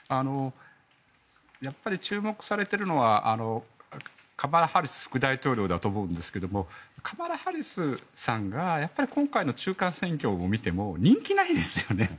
注目されているのはカマラ・ハリス副大統領だと思うんですがカマラ・ハリスさんが今回の中間選挙を見ても人気、ないですよね。